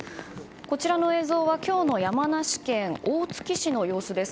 こちらの映像は今日の山梨県大月市の様子です。